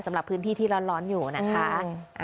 สำหรับพื้นที่ที่ร้อนอยู่นะคะ